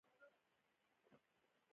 آیا د ایران صنعت پیاوړی نه دی؟